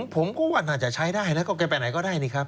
ผมก็ว่าอาจจะใช้ได้แล้วก็ไปไหนก็ได้นี่ครับ